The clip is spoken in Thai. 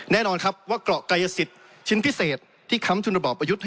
แน่นอนครับว่าเกราะกายสิทธิ์ชิ้นพิเศษที่ค้ำทุนระบอบประยุทธ์